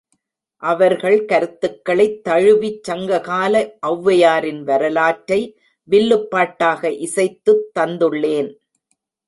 அவர்கள் கருத்துக்களைத் தழுவிச் சங்ககால ஒளவையாரின் வரலாற்றை வில்லுப் பாட்டாக இசைத்துத் தந்துள்ளேன்.